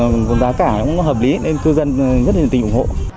đại diện cho dân